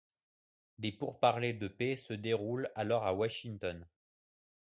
Des pourparlers de paix se déroulent alors à Washington.